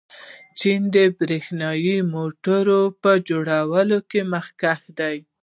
چین د برښنايي موټرو په جوړولو کې مخکښ دی.